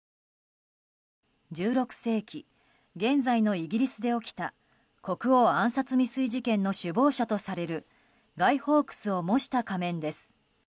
１６世紀現在のイギリスで起きた国王暗殺未遂事件の首謀者とされるガイ・フォークスを模した仮面です。